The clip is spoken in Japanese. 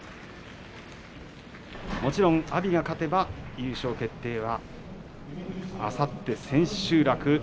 もちろん阿炎が勝てば優勝決定はあさって、千秋楽。